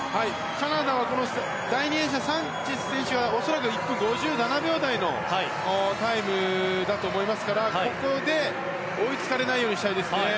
カナダは第２泳者のサンチェス選手は恐らく１分５７秒台のタイムだと思いますからここで追いつかれないようにしたいですね。